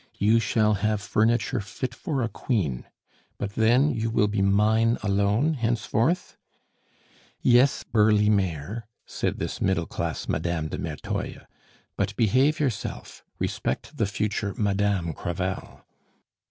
You shall have furniture fit for a queen. But then you will be mine alone henceforth?" "Yes, burly Maire," said this middle class Madame de Merteuil. "But behave yourself; respect the future Madame Crevel."